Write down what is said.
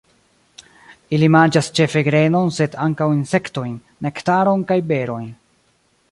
Ili manĝas ĉefe grenon sed ankaŭ insektojn, nektaron kaj berojn.